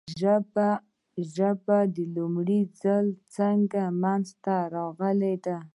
ژبه لومړی ځل څنګه منځ ته راغلې ده ؟